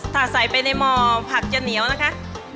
ถ้าใส่ไปในหม่อผักจะเหนียวนะคะ